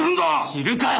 知るかよ